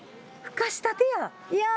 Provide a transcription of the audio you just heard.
ふかしたてや。